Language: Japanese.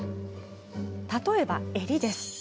例えば、襟です。